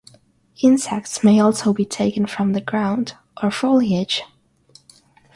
Insects may also be taken from the ground or foliage.